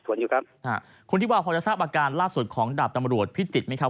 ตอนนี้ตำรวจกำลังสอบถวนอยู่ครับ